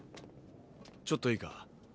ちょっといいか？